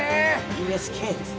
ＵＳＫです。